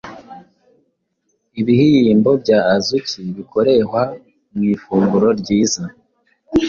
ibihyimbo bya azuki bikorehwa mu ifunguro ryiza,